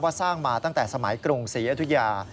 สร้างมาตั้งแต่สมัยกรุงศรีอยุธยา